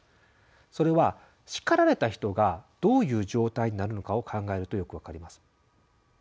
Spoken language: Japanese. それは叱られた人がどういう状態になるのかを考えるとよく分かります。